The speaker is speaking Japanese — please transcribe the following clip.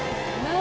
「何？」